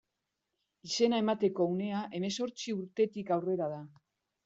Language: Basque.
Izena emateko unea hemezortzi urtetik aurrera da.